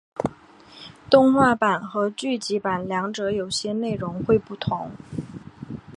动画版和剧集版两者有些内容会不同。